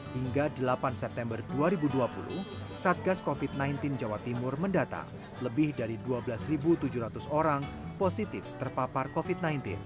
hingga delapan september dua ribu dua puluh satgas covid sembilan belas jawa timur mendata lebih dari dua belas tujuh ratus orang positif terpapar covid sembilan belas